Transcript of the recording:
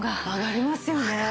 上がりますよね。